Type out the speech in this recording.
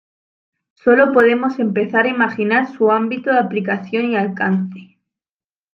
Solo podemos empezar a imaginar su ámbito de aplicación y alcance.